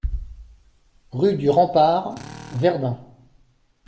Rue du Rempart, Verdun